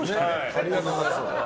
ありがとうございます。